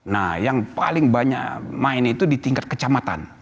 nah yang paling banyak main itu di tingkat kecamatan